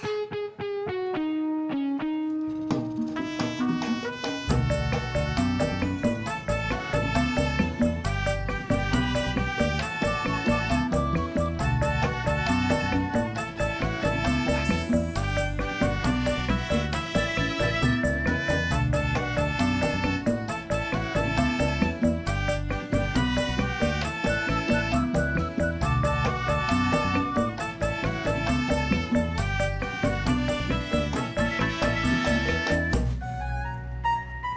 sampai jumpa lagi